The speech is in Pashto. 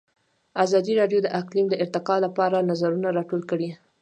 ازادي راډیو د اقلیم د ارتقا لپاره نظرونه راټول کړي.